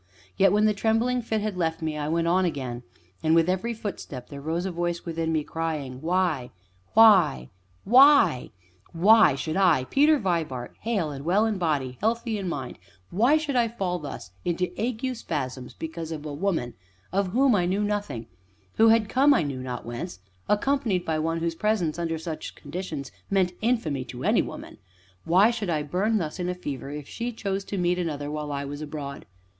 Yet, when the trembling fit had left me, I went on again, and with every footstep there rose a voice within me, crying: "Why? Why? Why?" Why should I, Peter Vibart, hale and well in body, healthy in mind why should I fall thus into ague spasms because of a woman of whom I knew nothing, who had come I knew not whence, accompanied by one whose presence, under such conditions, meant infamy to any woman; why should I burn thus in a fever if she chose to meet another while I was abroad?